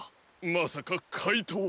まさかかいとう！？